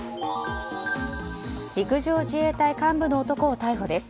陸上自衛隊幹部の男を逮捕です。